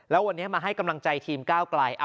แล้ววันนี้มาให้กำลังใจทีมก้าวไกล